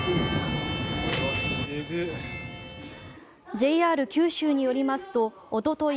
ＪＲ九州によりますとおととい